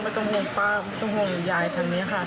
ต้องห่วงป้าไม่ต้องห่วงยายทางนี้ค่ะ